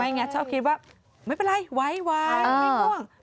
ไงชอบคิดว่าไม่เป็นไรไวไม่ง่วง